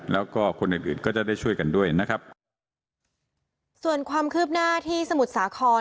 ส่วนความคืบหน้าที่สมุทรสาคร